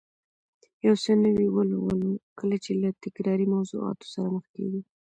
یو څه نوي ولولو، کله چې له تکراري موضوعاتو سره مخ کېږو